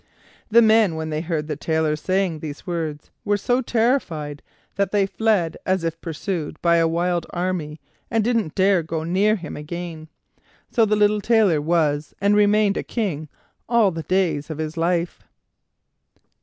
The men, when they heard the Tailor saying these words, were so terrified that they fled as if pursued by a wild army, and didn't dare go near him again. So the little Tailor was and remained a King all the days of his life.